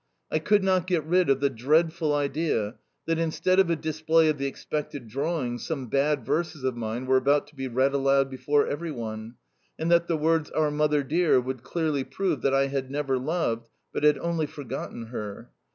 I could not get rid of the dreadful idea that, instead of a display of the expected drawing, some bad verses of mine were about to be read aloud before every one, and that the words "our Mother dear" would clearly prove that I had never loved, but had only forgotten, her.